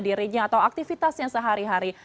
dirinya atau aktivitasnya sehari hari